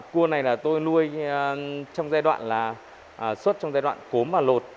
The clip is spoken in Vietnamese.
cua này tôi nuôi trong giai đoạn là suốt trong giai đoạn cốm và lột